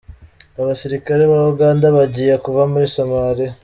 Abasirikare ba Uganda bagiye kuva muri Somalia.